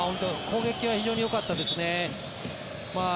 攻撃は非常によかったですね。